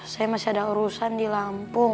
saya masih ada urusan di lampung